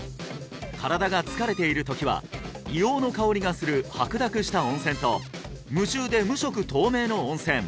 身体が疲れている時は硫黄の香りがする白濁した温泉と無臭で無色透明の温泉